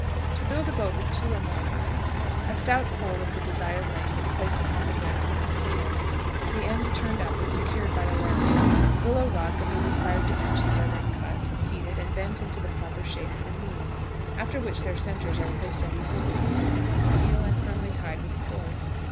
To build a boat with two or more hides: A stout pole of the desired length is placed upon the ground for a keel, the ends turned up and secured by a lariat; willow rods of the required dimensions are then cut, heated, and bent into the proper shape for knees, after which their centres are placed at equal distances upon the keel, and firmly tied with cords.